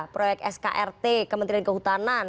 proyek skrt kementerian kehutanan